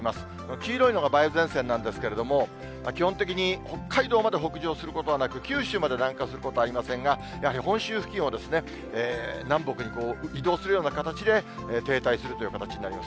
黄色いのが梅雨前線なんですけれども、基本的に北海道までほくじょうすることはなく九州まで南下することはありませんが、やはり本州付近を、南北に移動するような形で停滞するという形になります。